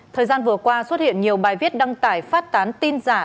thời gian vừa qua xuất hiện nhiều bài viết đăng tải phát tán tin giả